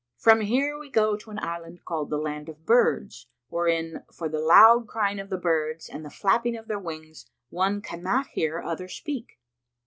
From here we go to an island called the Land of Birds, wherein, for the loud crying of the birds and the flapping of their wings, one cannot hear other speak."